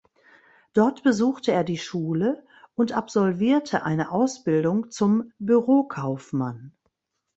Dort besuchte er die Schule und absolvierte eine Ausbildung zum Bürokaufmann.